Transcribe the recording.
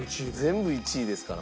全部１位ですから。